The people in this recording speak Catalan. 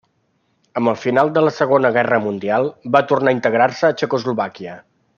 Amb el final de la Segona Guerra mundial, va tornar a integrar-se a Txecoslovàquia.